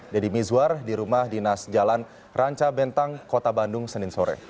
deddy mizwar di rumah dinas jalan ranca bentang kota bandung senin sore